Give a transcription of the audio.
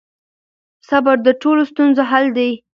صبر د ټولو ستونزو حل دی.